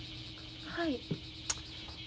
はい。